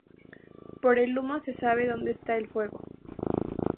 Por el humo se sabe donde está el fuego